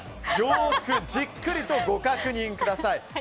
よくじっくりとご確認ください。